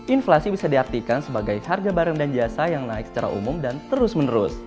inflasi bisa diartikan sebagai harga barang dan jasa yang naik secara umum dan terus menerus